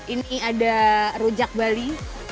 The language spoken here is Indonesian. ini ada rujak bali